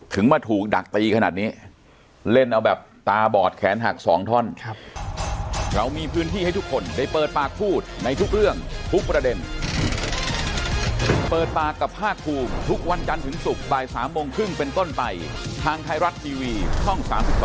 มาถูกดักตีขนาดนี้เล่นเอาแบบตาบอดแขนหัก๒ท่อน